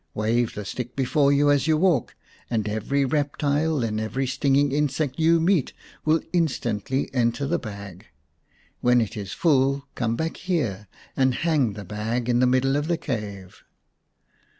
Wave the stick before you as you walk and every reptile and every stinging insect you meet will instantly enter the bag. When it is full come back here and hang the bag in the middle of the cave."